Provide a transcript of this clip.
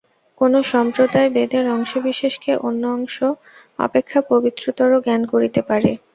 কোন সম্প্রদায় বেদের অংশবিশেষকে অন্য অংশ অপেক্ষা পবিত্রতর জ্ঞান করিতে পারে।